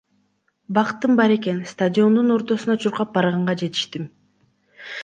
Бактым бар экен, стадиондун ортосуна чуркап барганга жетиштим.